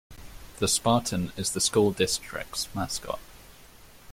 The Spartan is the school district's mascot.